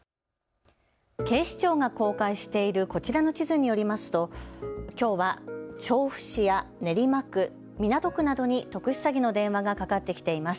警視庁が公開しているこちらの地図によりますときょうは調布市や練馬区、港区などに特殊詐欺の電話がかかってきています。